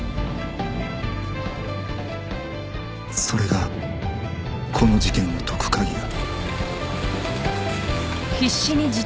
それがこの事件を解く鍵だ